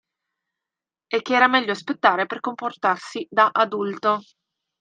E che era meglio aspettare per comportarsi da adulto.